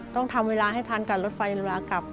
ต้องทำเวลาให้ทันกับรถไฟเวลากลับ